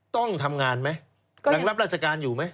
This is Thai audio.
ต้องทำงานไหมยังรับราชการอยู่ไหม